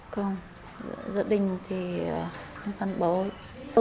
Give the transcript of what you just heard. không gia đình thì không phản bội